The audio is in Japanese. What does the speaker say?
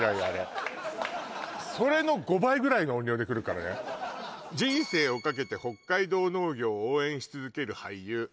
あれそれの５倍ぐらいの音量でくるからね「人生をかけて北海道農業を応援し続ける俳優」